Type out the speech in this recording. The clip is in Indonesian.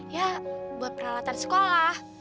ya buat peralatan sekolah